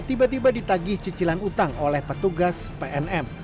tiba tiba ditagih cicilan utang oleh petugas pnm